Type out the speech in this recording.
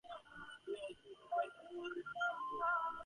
It is also emerging as a popular pet for families and individuals.